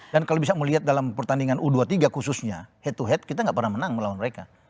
dan kalau bisa melihat dalam pertandingan u dua puluh tiga khususnya head to head kita gak pernah menang melawan mereka